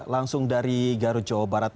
langsung dari garut jawa barat